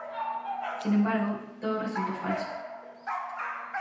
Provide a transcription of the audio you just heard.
Sin embargo, todo resultó falso.